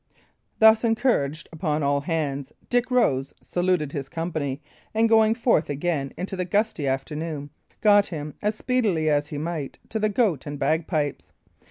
Thus encouraged upon all hands, Dick rose, saluted his company, and going forth again into the gusty afternoon, got him as speedily as he might to the Goat and Bagpipes.